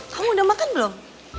kamu udah makan belum